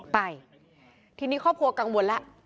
ไปทีนี้ครอบครัวกังวลแล้ว